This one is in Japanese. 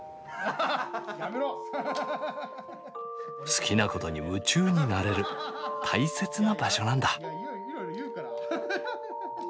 好きなことに夢中になれる大切な場所なんだ。